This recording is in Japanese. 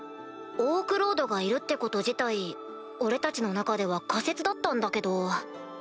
オークロードがいるってこと自体俺たちの中では仮説だったんだけど。